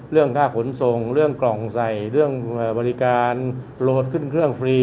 เรื่องค่าขนส่งเรื่องกล่องใส่เรื่องบริการโหลดขึ้นเครื่องฟรี